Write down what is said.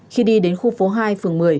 khi đi đến khu phố hai phường một mươi